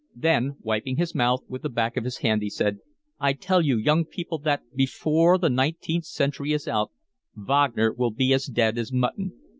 Then wiping his mouth with the back of his hand, he said: "I tell you young people that before the nineteenth century is out Wagner will be as dead as mutton.